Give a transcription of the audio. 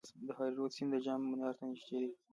د هریرود سیند د جام منار ته نږدې دی